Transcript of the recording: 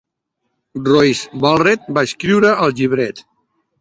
Royce Vavrek va escriure el llibret.